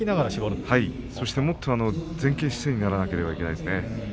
もっと前傾姿勢にならなければならないですね。